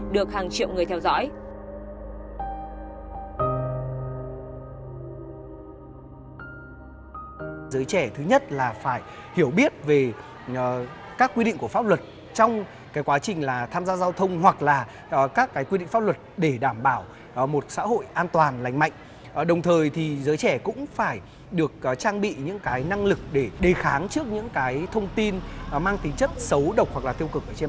được hàng triệu người theo dõi